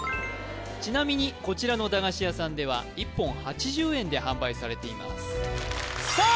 ちなみにこちらの駄菓子屋さんでは１本８０円で販売されていますさあ